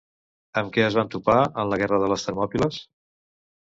Amb què es van topar en la guerra de les Termòpiles?